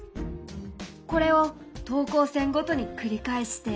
これを等高線ごとに繰り返して。